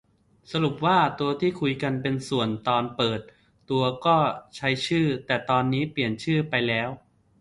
สรุปว่าตัวที่คุยกันเป็น ส่วน ตอนเปิดตัวก็ใช้ชื่อ แต่ตอนนี้เปลี่ยนชื่อไปแล้ว